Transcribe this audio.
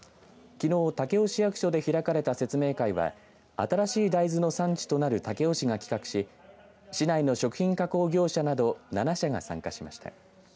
きのう武雄市役所で開かれた説明会は新しい大豆の産地となる武雄市が企画し市内の食品加工業者など７社が参加しました。